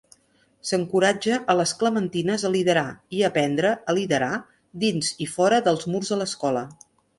S'encoratja a les clementines a liderar i aprendre a liderar dins i fora dels murs de l'escola.